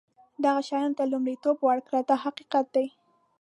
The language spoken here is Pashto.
دغه شیانو ته لومړیتوب ورکړه دا حقیقت دی.